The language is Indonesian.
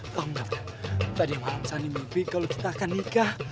tau gak tadi malam sani mimpi kalo kita akan nikah